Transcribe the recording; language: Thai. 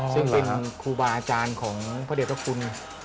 ซึ่งเป็นครูบาอาจารย์ของพระเด็จพระคุณ